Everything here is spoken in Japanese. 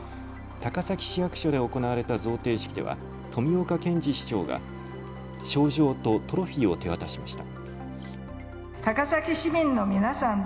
高崎市役所で行われた贈呈式では富岡賢治市長が賞状とトロフィーを手渡しました。